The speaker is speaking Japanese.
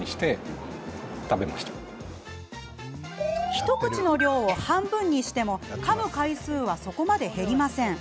一口の量を半分にしてもかむ回数は、そこまで減りません。